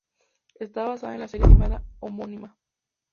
Está basado en la serie animada homónima.